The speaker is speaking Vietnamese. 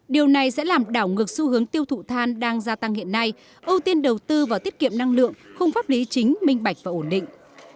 điều này sẽ làm đảo ngược xu hướng tiêu thụ than đang gia tăng hiện nay ưu tiên đầu tư vào tiết kiệm năng lượng không pháp lý chính minh bạch và ổn định